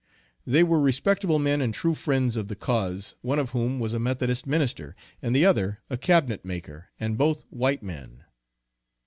They were respectable men and true friends of the cause, one of whom was a Methodist minister, and the other a cabinet maker, and both white men.